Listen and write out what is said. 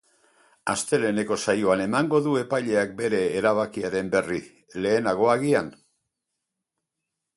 Asteleheneko saioan emango du epaileak bere erabakiaren berri, lehenago agian.